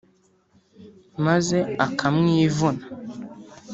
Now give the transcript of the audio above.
maze akamwivuna